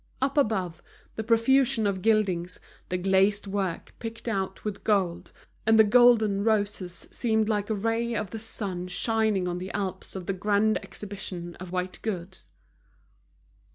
Up above, the profusion of gildings, the glazed work picked out with gold, and the golden roses seemed like a ray of the sun shining on the Alps of the grand exhibition of white goods.